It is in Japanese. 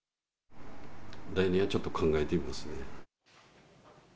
来年はちょっと考えてみます